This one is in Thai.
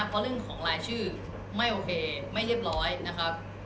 เพราะเรื่องของรายชื่อไม่โอเคไม่เรียบร้อยนะครับ